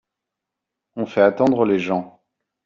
On fait attendre les gens.